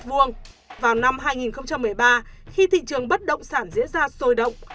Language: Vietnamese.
vào năm hai nghìn một mươi ba khi thị trường bất động sản diễn ra sôi động